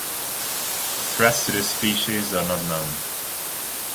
The threats to this species are not known.